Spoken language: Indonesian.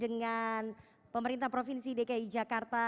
dengan pemerintah provinsi dki jakarta